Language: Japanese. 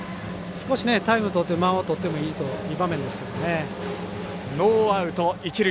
少しタイムをとって間をとってもいいという場面ですけどね。